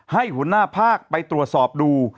ให้หัวหน้าภาคไปตรวจสอบดู